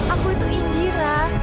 aku itu indira